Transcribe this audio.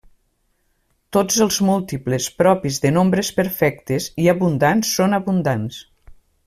Tots els múltiples propis de nombres perfectes i abundants són abundants.